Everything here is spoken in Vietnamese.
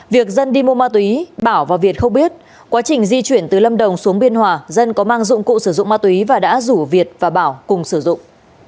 việc dân đi mua ma túy bảo và việt không biết quá trình di chuyển từ lâm đồng xuống biên hòa dân có mang dụng cụ sử dụng ma túy và đã rủ việt và bảo cùng sử dụng